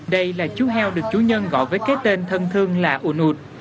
đây là chú heo được chú nhân gọi với kế tên thân thương là unut